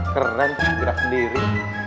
keren gerak sendiri